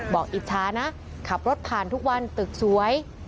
อิจฉานะขับรถผ่านทุกวันตึกสวย